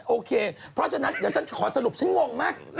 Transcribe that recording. โอเคเพราะฉะนั้นอยากขอสรุปฉันง่วงมาก